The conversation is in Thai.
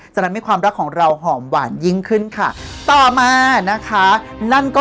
ทำให้ความรักของเราหอมหวานยิ่งขึ้นค่ะต่อมานะคะนั่นก็